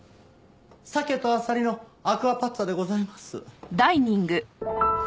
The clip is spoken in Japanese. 鮭とアサリのアクアパッツァでございます。